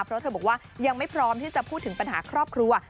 เพราะเธอบอกว่ายังไม่พร้อมที่จะพูดถึงปัญหาครอบครัว